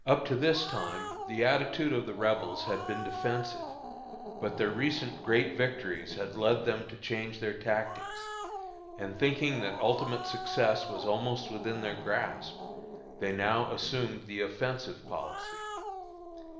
Up to this time the attitude of the Rebels had been defensive, but their recent great victories had led them to change their tactics, and thinking that ultimate success was almost within their grasp, they now assumed the offensive policy.